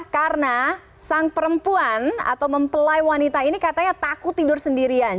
karena sang perempuan atau mempelai wanita ini katanya takut tidur sendirian